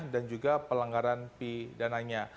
dan juga pelanggaran pidananya